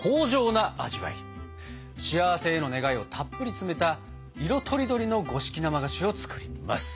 幸せへの願いをたっぷり詰めた色とりどりの五色生菓子を作ります！